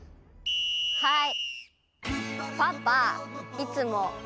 はい。